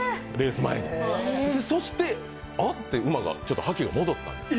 そして、あって馬の覇気が戻ったんですよ。